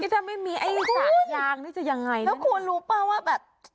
ถ้าไม่มีไอ้สากยางนี่จะยังไงแล้วคุณรู้ป่ะว่าแบบ